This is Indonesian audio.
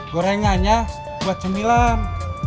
gorengannya buat sembilan